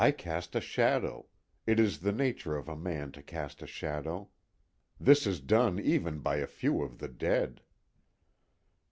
_I cast a shadow. It is the nature of a man to cast a shadow. This is done even by a few of the dead.